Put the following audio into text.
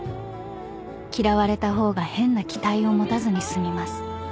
［嫌われた方が変な期待を持たずに済みます］